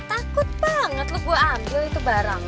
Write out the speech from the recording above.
takut banget lo gue ambil itu barangnya